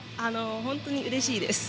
本当にうれしいです。